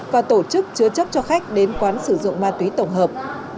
và tổ chức chứa chấp cho khách đến quán sử dụng ma túy tổng hợp